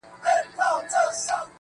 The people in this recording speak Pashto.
خو له دې بې شرفۍ سره په جنګ یم.